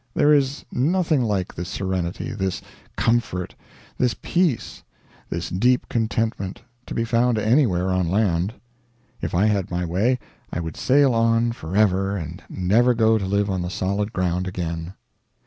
There is nothing like this serenity, this comfort, this peace, this deep contentment, to be found anywhere on land. If I had my way I would sail on for ever and never go to live on the solid ground again.